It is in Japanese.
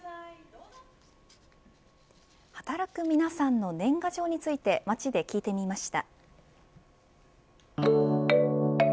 働く皆さんの年賀状について街で聞いてみました。